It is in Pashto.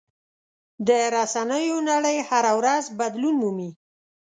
د رسنیو نړۍ هره ورځ بدلون مومي.